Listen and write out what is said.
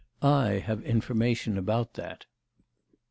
I have information about that.